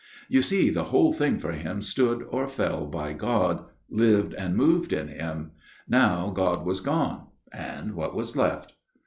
" You see the whole thing for him stood or fell by God, lived and moved in Him ; now God was gone, and what was left